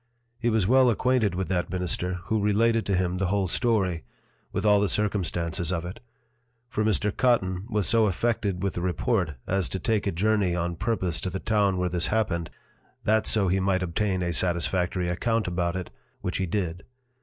He was well acquainted with that Minister, who related to him the whole Story, with all the Circumstances of it: For Mr. Cotten was so affected with the Report, as to take a Journey on purpose to the Town where this happened, that so he might obtain a satisfactory account about it, which he did.